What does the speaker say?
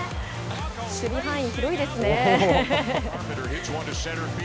守備範囲広いですね。